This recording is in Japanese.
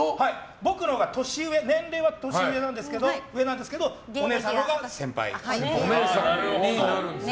僕のほうが年齢は年上なんですけどお姉さんのほうが芸歴で先輩です。